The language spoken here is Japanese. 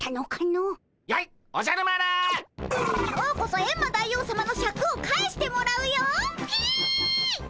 今日こそエンマ大王さまのシャクを返してもらうよっ！